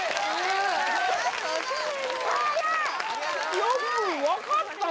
よく分かったね